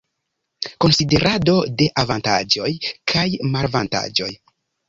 Konsiderado de avantaĝoj kaj malavantaĝoj.